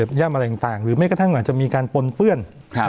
ปัญหาการเป็นการปนเปื้อน